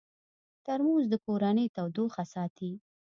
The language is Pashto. ترموز د کورنۍ تودوخه ساتي.